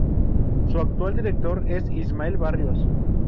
Su actual director es Ismael Barrios.